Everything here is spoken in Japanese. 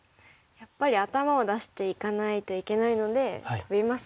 やっぱり頭を出していかないといけないのでトビますか。